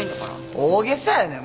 大げさやねん。